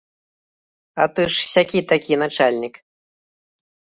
А ты ж сякі-такі начальнік.